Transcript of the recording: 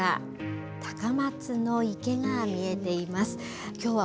盛岡、高松の池が見えています。